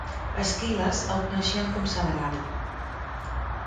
A Squillace el coneixien com "San Agario".